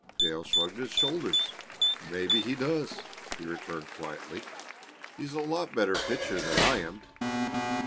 Dale shrugged his shoulders. "Maybe he does," he returned quietly. "He's a lot better pitcher than I am."